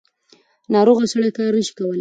ناروغه سړی کار نشي کولی.